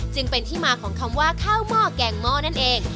จึงเป็นที่มาของคำว่าข้าวหม้อแกงหม้อนั่นเอง